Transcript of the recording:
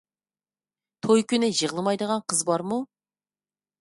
توي كۈنى يىغلىمايدىغان قىز بارمۇ؟